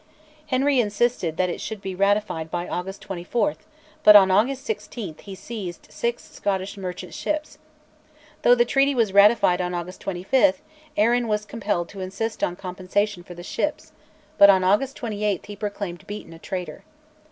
Henry insisted that it should be ratified by August 24, but on August 16 he seized six Scottish merchant ships. Though the Treaty was ratified on August 25, Arran was compelled to insist on compensation for the ships, but on August 28 he proclaimed Beaton a traitor.